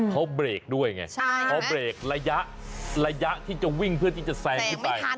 เขาเบรกด้วยไงเขาเบรกระยะที่จะวิ่งเพื่อที่จะแซงขึ้นไป